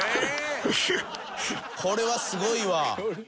これはすごいわ。